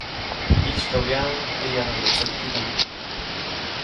ʼYistyoʼbyaʼuŋ ʼeyadaʼmbä tsäkidaʼm.